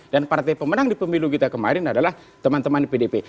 dan partai pemenang di pemilu kita kemarin adalah teman teman pdip